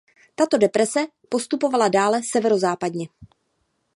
Tato deprese postupovala dále severozápadně.